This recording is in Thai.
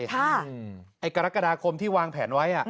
ไอ้กรกฎาคมที่วางแผนไว้